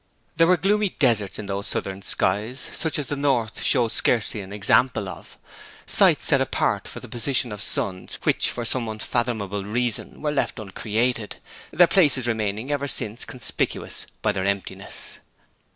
There were gloomy deserts in those southern skies such as the north shows scarcely an example of; sites set apart for the position of suns which for some unfathomable reason were left uncreated, their places remaining ever since conspicuous by their emptiness.